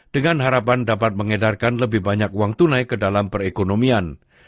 dengan harapan dapat mengedarkan lebih banyak uang tunai ke dalam perekonomian